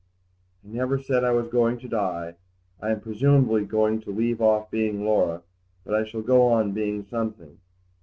"I never said I was going to die. I am presumably going to leave off being Laura, but I shall go on being something.